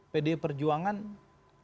pdip perjuangan akan terbuka ini